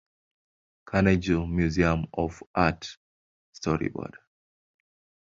Carnegie Museum of Art: Storyboard.